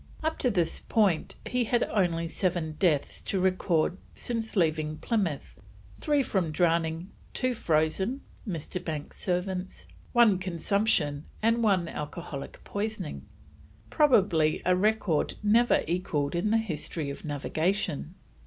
Up to this time he had only seven deaths to record since leaving Plymouth; three from drowning, two frozen (Mr. Banks's servants), one consumption, and one alcoholic poisoning: probably a record never equalled in the history of navigation.